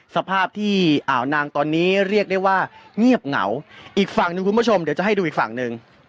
สภาพที่อ่าวนางตอนนี้เรียกได้ว่าเงียบเหงาอีกฝั่งหนึ่งคุณผู้ชมเดี๋ยวจะให้ดูอีกฝั่งหนึ่ง